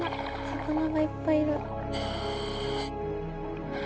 魚がいっぱいいる。